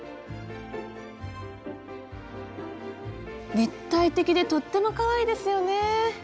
立体的でとってもかわいいですよね。